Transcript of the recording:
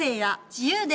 自由で。